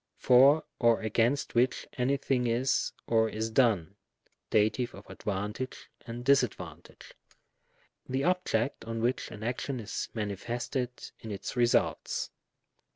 for or against which, any thing is, or is done, (Dat. of advantage and disad vantage,) the object on which an action is manifested in its results.